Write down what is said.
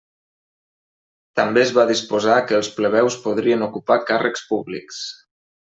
També es va disposar que els plebeus podrien ocupar càrrecs públics.